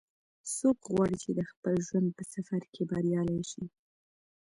څوک غواړي چې د خپل ژوند په سفر کې بریالۍ شي